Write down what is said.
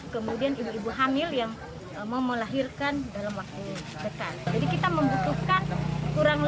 kemudian ibu ibu hamil yang mau melahirkan dalam waktu dekat